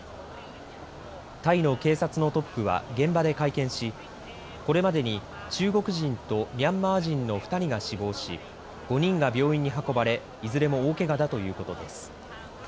タイの警察のトップは現場で会見しこれまでに中国人とミャンマー人の２人が死亡し５人が病院に運ばれいずれも大けがだということです。